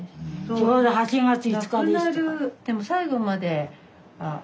ちょうど８月５日でした。